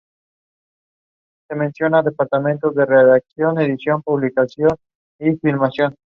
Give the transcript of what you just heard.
Realizó extensas expediciones biológicas, y botánicas en Argentina, Bolivia, Colombia, Brasil, Ecuador, Perú.